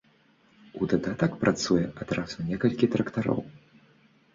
У дадатак працуе адразу некалькі трактароў.